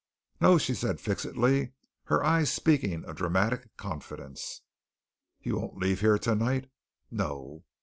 "No," she said fixedly, her eyes speaking a dramatic confidence. "You won't leave here tonight?" "No."